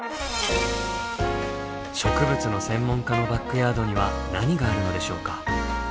植物の専門家のバックヤードには何があるのでしょうか？